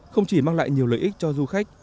không chỉ mang lại nhiều lợi ích cho du khách